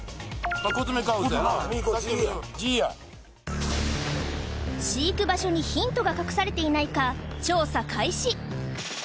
コツメカワウソやな見に行こうジや飼育場所にヒントが隠されていないか調査開始